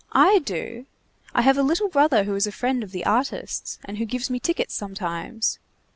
I do. I have a little brother who is a friend of the artists, and who gives me tickets sometimes.